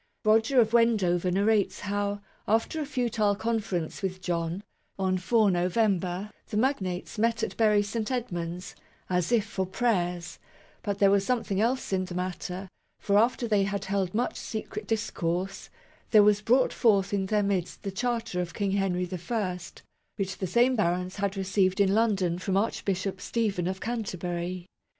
Roger of Wendover narrates how, after a futile 4 MAGNA CARTA (1215 1915) conference with John, on 4 November, the magnates met at Bury St. Edmunds " as if for prayers ; but there was something else in the matter, for after they had held much secret discourse, there was brought forth in their midst the Charter of King Henry I, which the same barons had received in London from Archbishop Stephen of Canterbury